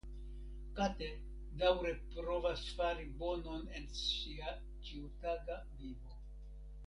Kate daŭre provas fari bonon en sia ĉiutaga vivo.